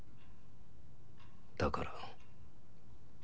だから。